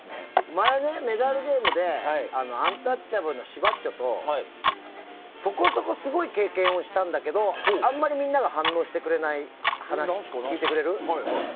前、メダルゲームでアンタッチャブルの柴っちょとそこそこすごい経験をしたんだけどあんまりみんなが反応してくれない話を聞いてくれる？